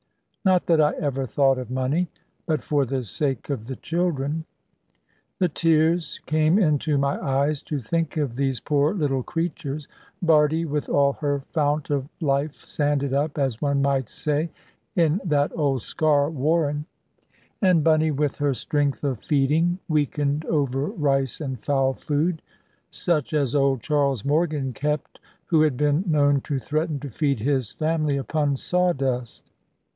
Not that I ever thought of money; but for the sake of the children. The tears came into my eyes, to think of these poor little creatures; Bardie with all her fount of life sanded up (as one might say) in that old Sker warren; and Bunny with her strength of feeding weakened over rice and fowl food; such as old Charles Morgan kept, who had been known to threaten to feed his family upon sawdust.